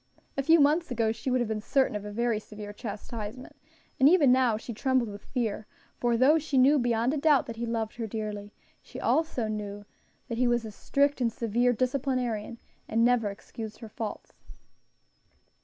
A few months ago she would have been certain of a very severe chastisement, and even now she trembled with fear; for though she knew beyond a doubt that he loved her dearly, she knew also that he was a strict and severe disciplinarian, and never excused her faults.